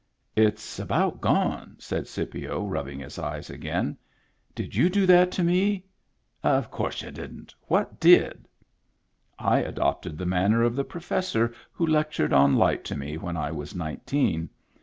" It's about gone," said Scipio, rubbing his eyes again. " Did you do that to me ? Of course y'u didn't ! What did ?" I adopted the manner of the professor who lectured on light to me when I was nineteen.